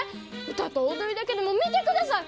歌と踊りだけでも見てください！